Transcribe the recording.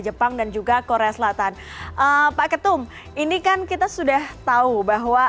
jepang dan juga korea selatan pak ketum ini kan kita sudah tahu bahwa